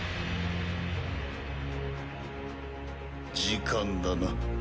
時間だな。